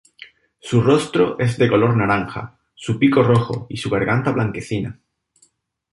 Su rostro es de color naranja, su pico rojo y su garganta blanquecina.